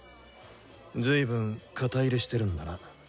ずいぶん肩入れしてるんだな。